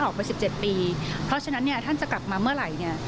ออกไปสิบเจ็ดปีเพราะฉะนั้นท่านจะกลับมาเมื่อไหร่